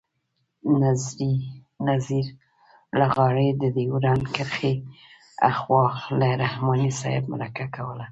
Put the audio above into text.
نذیر لغاري د ډیورنډ کرښې آخوا له رحماني صاحب مرکه کوله.